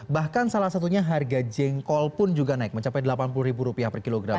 bahkan salah satunya harga jengkol pun juga naik mencapai rp delapan puluh per kilogram